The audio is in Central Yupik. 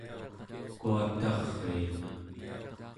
kuatariiq